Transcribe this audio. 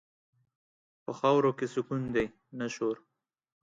په خاورو کې سکون دی، نه شور.